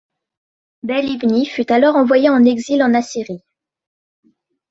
Bel-Ibni fut alors envoyé en exil en Assyrie.